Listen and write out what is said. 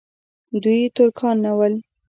دوی ترکان نه ول.